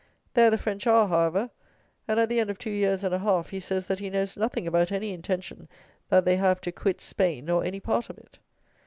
There the French are, however; and at the end of two years and a half he says that he knows nothing about any intention that they have to quit Spain, or any part of it.